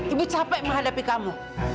ibu capek menghadapi kamu